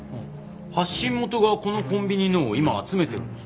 発信元がこのコンビニのを今集めてるんです。